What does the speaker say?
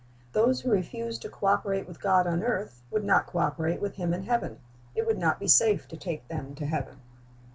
Those who refuse to co operate with God on earth, would not co operate with Him in heaven. It would not be safe to take them to heaven.